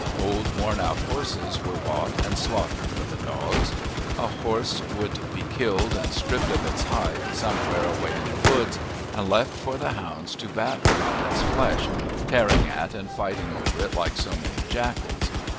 Old, worn out horses were bought and slaughtered for the dogs. A horse would be killed and stripped of his hide somewhere away in the woods, and left for the hounds to batten on its flesh, tearing at and fighting over it like so many jackals.